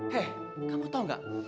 hei kamu tau gak